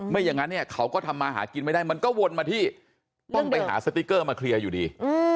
อย่างนั้นเนี่ยเขาก็ทำมาหากินไม่ได้มันก็วนมาที่ต้องไปหาสติ๊กเกอร์มาเคลียร์อยู่ดี